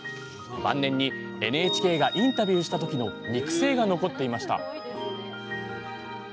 晩年にＮＨＫがインタビューした時の肉声が残っていました